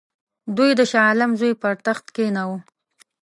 دوی د شاه عالم زوی پر تخت کښېناوه.